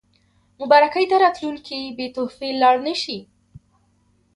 مبارکۍ ته راتلونکي بې تحفې لاړ نه شي.